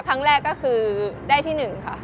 ครั้งแรกก็คือได้ที่๑ค่ะ